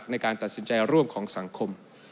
ในการตัดสินใจร่วมของสังคม